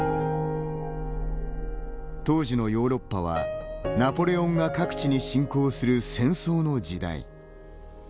当時のヨーロッパはナポレオンが各地に侵攻する戦争の時代。